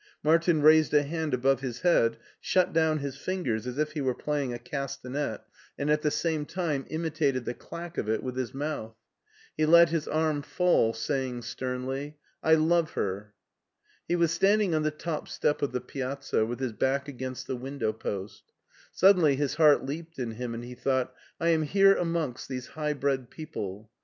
Martin raised a hand above his head, shut down his fingers as if he were playing a castanet BERLIN 189 and at the same time imitated the clack of it with his mouth. He let his arm fall, saying sternly : "Iloveher! He was standing on the top step of the piazza with his back against t^^ window post. Suddenly his heart leaped in him and he thought, '' I am here amongst these high bred people.